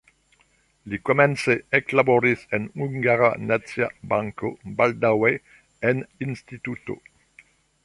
Li komence eklaboris en Hungara Nacia Banko, baldaŭe en instituto.